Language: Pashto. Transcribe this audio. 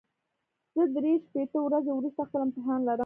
زه درې شپېته ورځې وروسته خپل امتحان لرم.